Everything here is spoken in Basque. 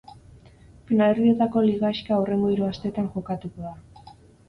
Finalerdietako lligaxka hurrengo hiru astetan jokatuko da.